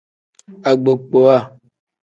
Agbokpowa.